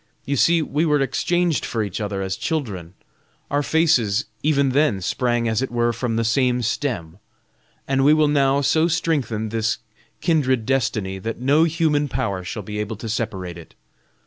You see, we were exchanged for each other as children; our faces even then sprang as it were from the same stem, and we will now so strengthen this kindred destiny that no human power shall be able to separate it.